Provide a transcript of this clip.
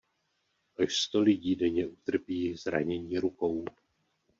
Až sto lidí denně utrpí zranění rukou.